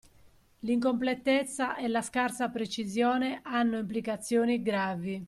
L'incompletezza e la scarsa precisione hanno implicazioni gravi